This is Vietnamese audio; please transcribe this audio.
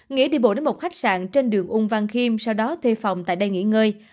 nghĩa đi bộ đến một khách sạn trên đường ung văn khiêm sau đó thuê phòng tại đây nghỉ ngơi